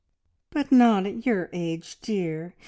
"But not at your age, dear!